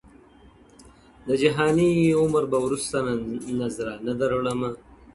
د جهاني عمر به وروسته نذرانه دروړمه!.